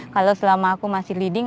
kalau selama aku masih leading